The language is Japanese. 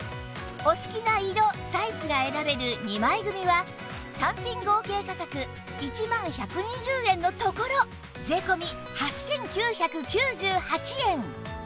お好きな色サイズが選べる２枚組は単品合計価格１万１２０円のところ税込８９９８円